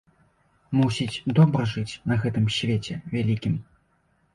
Мусіць, добра жыць на гэтым свеце вялікім?